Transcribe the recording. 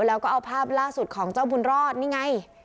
แล้วก็เอาภาพล่าสุดของเจ้าบุญรอดนี่ไง